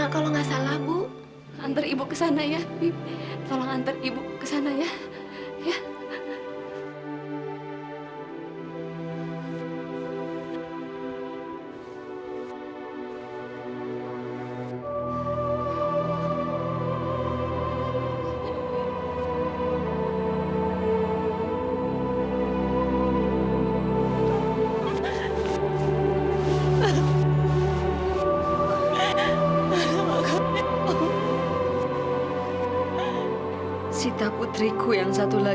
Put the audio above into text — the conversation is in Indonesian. kalau gini terus ya